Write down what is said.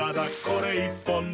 これ１本で」